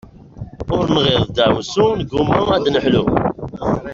Ur nɣiḍ deɛwessu, negumma ad neḥlu.